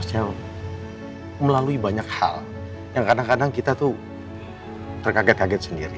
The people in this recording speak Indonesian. saya melalui banyak hal yang kadang kadang kita tuh terkaget kaget sendiri